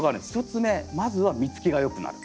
１つ目まずは実つきが良くなる。